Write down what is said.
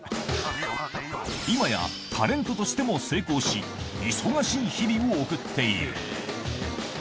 今やタレントとしても成功し、忙しい日々を送っている。